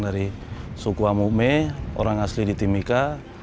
dari suku amu me orang asli di timika